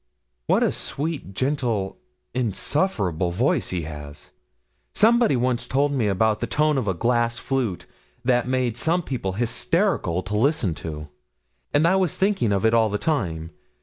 'What a sweet, gentle, insufferable voice he has! Somebody once told me about the tone of a glass flute that made some people hysterical to listen to, and I was thinking of it all the time.